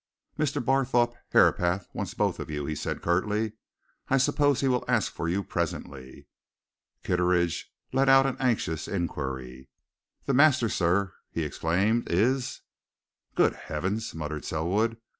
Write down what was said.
"Mr. Barthorpe Herapath wants both of you," he said curtly. "I suppose he will ask for you presently." Kitteridge let out an anxious inquiry. "The master, sir?" he exclaimed. "Is " "Good heavens!" muttered Selwood.